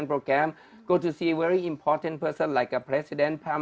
pergi melihat orang yang sangat penting seperti presiden pemerintah